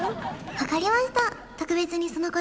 わかりました